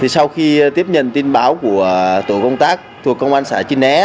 sau khi tiếp nhận tin báo của tổ công tác thuộc công an xã chi né